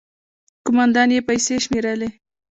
، کومندان يې پيسې شمېرلې.